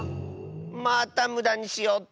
またむだにしおって！